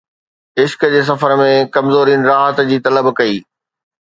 عشق جي سفر ۾، ڪمزورين راحت جي طلب ڪئي